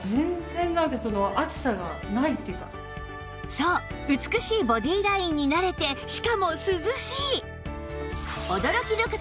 そう美しいボディーラインになれてしかも涼しい！